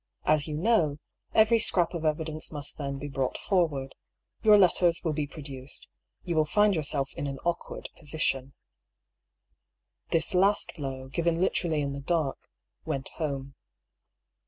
As you know, every scrap of evidence must then be brought forward. Your A MORAL DUEL. 77 letters will be produced. You will find yourself in an awkward position." This last blow, given literally in the dark, went home.